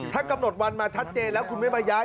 ถ้ากำหนดวันมาชัดเจนแล้วคุณไม่มาย้าย